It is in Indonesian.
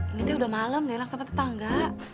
ini udah malem ya langsung sama tetangga